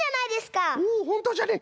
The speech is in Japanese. おおほんとじゃね。